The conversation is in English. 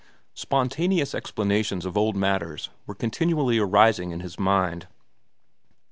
Spontaneous explanations of old matters were continually arising in his mind.